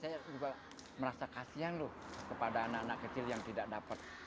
saya juga merasa kasihan loh kepada anak anak kecil yang tidak dapat